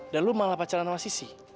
dan lo malah pacaran sama sissy